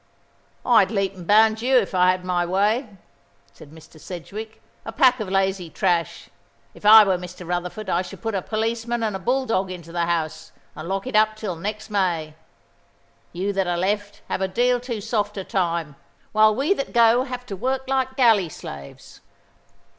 "I'd leap and bound you, if I had my way," said Mr. Sedgewick; "a pack of lazy trash. If I were Mr. Rutherford, I should put a policeman and a bull dog into the house, and lock it up till next May. You that are left have a deal too soft a time, while we that go have to work like galley slaves.